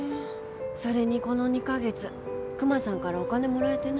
それにこの２か月クマさんからお金もらえてない。